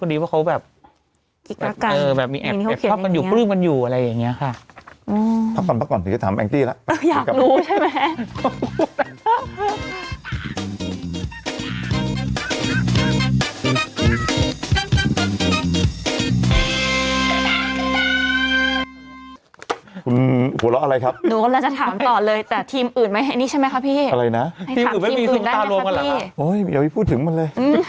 หลักแบบดูดูพูดห่างเหินเหมือนไม่เคยรักอ่ะที่ไหมเหรอ